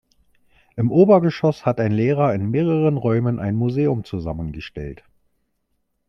Im Obergeschoss hat ein Lehrer in mehreren Räumen ein Museum zusammengestellt.